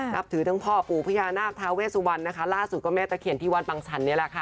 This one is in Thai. นับถือทั้งพ่อปู่พญานาคทาเวสุวรรณนะคะล่าสุดก็แม่ตะเขียนที่วัดบังชันนี่แหละค่ะ